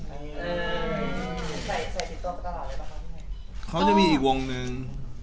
อืมใส่ใส่ติดตัวตลอดเลยป่ะครับเขาจะมีอีกวงหนึ่ง